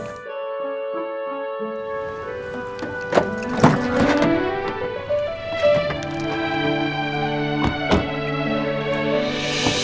kan gue penasaran